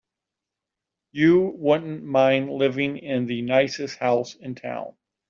You wouldn't mind living in the nicest house in town.